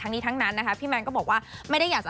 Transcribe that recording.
แต่มีนักแสดงคนนึงเดินเข้ามาหาผมบอกว่าขอบคุณพี่แมนมากเลย